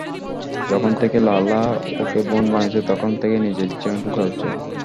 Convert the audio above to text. যখন থেকে লালা ওকে বোন বানিয়েছে, তখন থেকেই নিজের ইচ্ছেমতো চলছে।